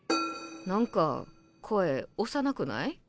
何か声幼くない？